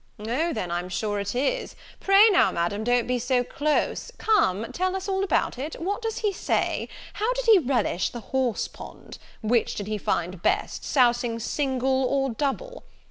"O then, I'm sure it is! Pray now, Madam, don't be so close; come tell us all about it what does he say? how did he relish the horse pond? which did he find best, sousing single or double?